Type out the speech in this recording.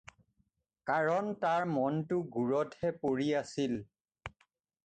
কাৰণ তাৰ মনটো গুড়তহে পৰি আছিল।